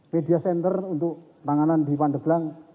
media center untuk penanganan di pandeglang